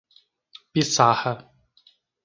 Piçarra